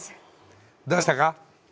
どうでしたか？